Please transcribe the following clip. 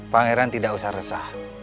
pangeran tidak usah resah